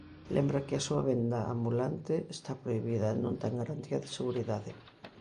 Lembra que a súa venda ambulante está prohibida e non ten garantía de seguridade.